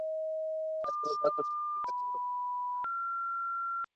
Hay dos datos significativos.